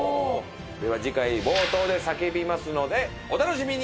では次回冒頭で叫びますのでお楽しみに！